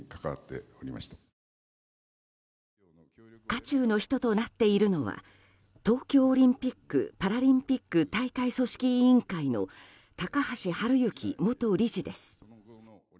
渦中の人となっているのは東京オリンピック・パラリンピック大会組織委員会の高橋治之元理事です。